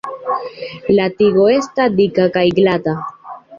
La tigo esta dika kaj glata.